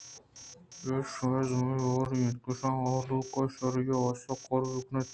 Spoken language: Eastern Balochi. اے شمئے زمہ واری اِنت کہ شما مھلوک ءِ شری ءِ واستہ کار بہ کن اِت